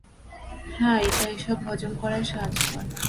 হ্যাঁ, এটা এসব হজম করায় সাহায্য করে।